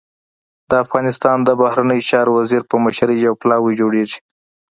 د افغانستان د بهرنیو چارو وزیر په مشرۍ يو پلاوی جوړېږي.